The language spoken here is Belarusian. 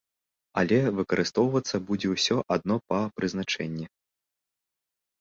Але выкарыстоўвацца будзе ўсё адно па прызначэнні.